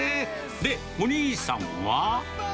で、お兄さんは。